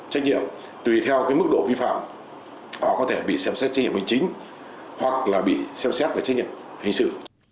trách nhiệm tùy theo mức độ vi phạm họ có thể bị xem xét trách nhiệm hình chính hoặc là bị xem xét về trách nhiệm hình sự